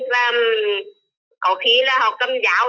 và có khi là họ cầm giáo